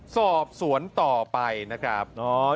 สอบสวนต่อไปนะครับ